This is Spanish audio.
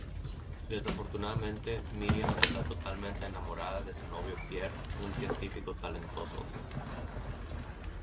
Desafortunadamente, Miriam está totalmente enamorada de su novio Pierre, un científico talentoso.